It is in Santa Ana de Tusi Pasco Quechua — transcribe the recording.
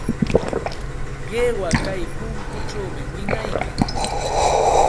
Qiwa kay punkućhaw wiñaykan.